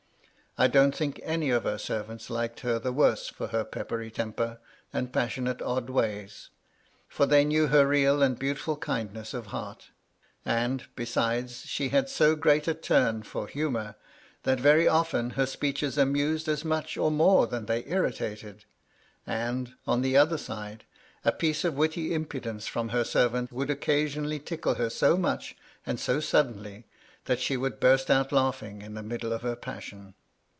I don't think any of her servants liked her the worse for her peppery temper, and passionate odd ways, for they knew her real and beautiful kindness of heart ; MY LADY LUDLOW. 205 and, besides, she had so great a turn for humour, that very often her speeches amused as much or more than they irritated ; and, on the other side, a piece of witty impudence from her servant would occasionally tickle her so much and so suddenly, that she would burst out laughing in the middle of her psussion.